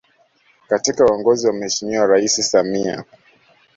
Katika uongozi wa Mheshimiwa Rais Samia